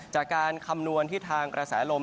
คำนวณที่ทางกระแสลม